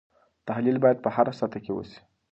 تحلیل باید په هره سطحه کې وسي.